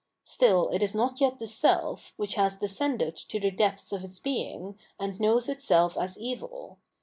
Still it is not yet the self, which has descended to the depths of its being, and knows itself as evil.